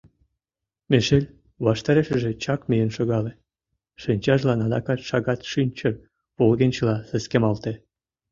— Мишель ваштарешыже чак миен шогале, шинчажлан адакат шагат шинчыр волгенчыла сескемалте.